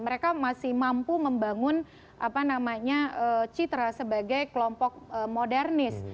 mereka masih mampu membangun citra sebagai kelompok modernis